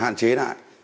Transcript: hạn chế lại